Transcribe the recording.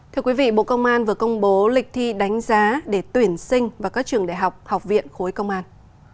thưa quý vị bộ công an vừa công bố lịch thi đánh giá để tuyển sinh vào các trường đại học học viện khối công an